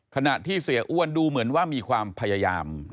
ขณะที่เสียอ้วนดูเหมือนว่ามีความพยายาม